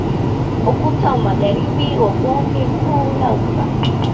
Ukuta wa magharibi wa bonde kuu la ufa